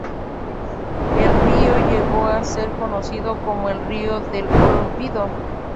Y el río llegó a ser conocido como el río del olvido.